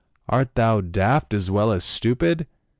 art thou daft as well as stupid?"